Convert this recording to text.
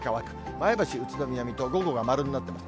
前橋、宇都宮、水戸、午後が丸になっています。